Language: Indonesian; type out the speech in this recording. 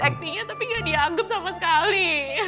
ektinya tapi gak dianggap sama sekali